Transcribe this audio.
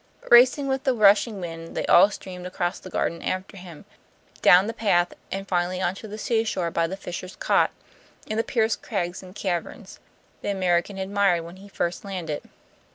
Racing with the rushing wind they all streamed across the garden after him, down the path, and finally on to the seashore by the fisher's cot, and the pierced crags and caverns the American had admired when he first landed.